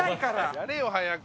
やれよ早く。